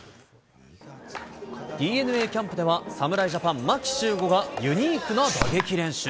ＤｅＮＡキャンプでは、侍ジャパン、牧秀悟がユニークな打撃練習。